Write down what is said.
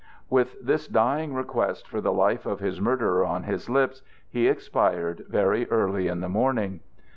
With this dying request for the life of his murderer on his lips, he expired very early in the morning.